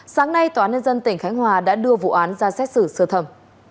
sáng nay tòa án nhân dân tỉnh khánh hòa đã đưa vụ án ra xét xử sơ thẩm